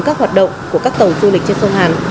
các hoạt động của các tàu du lịch trên sông hàn